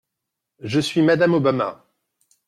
Je suis madame Obama.